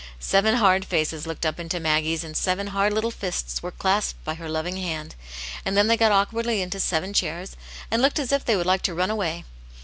^ Seven hard faces looked up into Maggie's, and seven hard little fists were clasped by her loving hand ; and then they got awkwardly into seven chairs^ and looked as if they would like to run away.